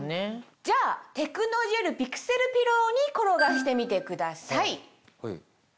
じゃあテクノジェルピクセルピローに転がしてみてください。